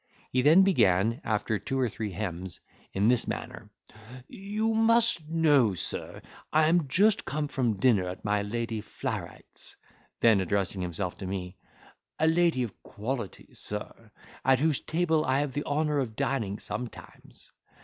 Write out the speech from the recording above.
He then began, after two or three hems, in this manner: "You must know, sir, I am just come from dinner at my Lady Flareit's (then addressing himself to me), a lady of quality, sir, at whose table I have the honour of dining sometimes.